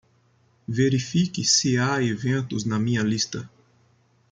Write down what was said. Verifique se há eventos na minha lista.